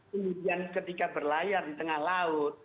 kemudian ketika berlayar di tengah laut